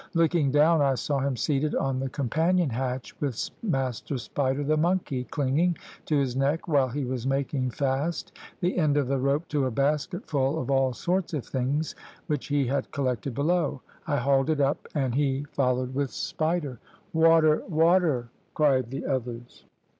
Looking down I saw him seated on the companion hatch with Master Spider, the monkey clinging to his neck while he was making fast the end of the rope to a basket full of all sorts of things which he had collected below. I hauled it up, and he followed with Spider. "`Water! water!' cried the others.